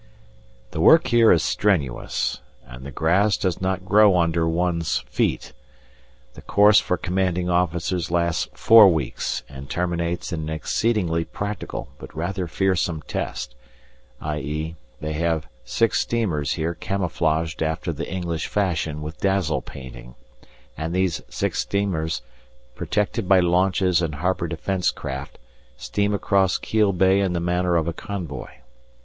The work here is strenuous, and the grass does not grow under one's feet. The course for commanding officers lasts four weeks, and terminates in an exceedingly practical but rather fearsome test i.e., they have six steamers here camouflaged after the English fashion with dazzle painting, and these six steamers, protected by launches and harbour defence craft, steam across Kiel Bay in the manner of a convoy.